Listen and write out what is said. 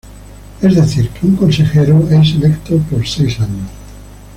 Es decir, que un consejero es electo para seis años.